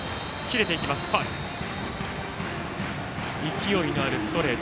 勢いのあるストレート